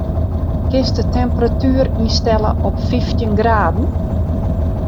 Kinst de temperatuer ynstelle op fyftjin graden?